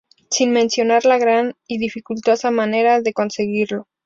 Sin mencionar la gran y dificultosa manera de conseguirlo.